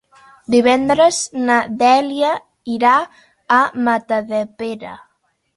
Divendres na Dèlia irà a Matadepera.